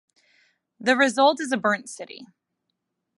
The result is a burnt city.